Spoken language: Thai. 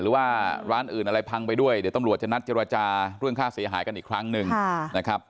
หรือว่าร้านอื่นอะไรพังไปด้วยเดี๋ยวตำรวจจะนัดเจรจาเรื่องค่าเสียหายกันอีกครั้งหนึ่งนะครับ